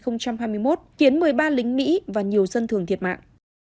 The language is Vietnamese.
khiến một mươi ba lính mỹ và nhiều dân thường thiệt mạng